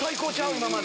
今までで。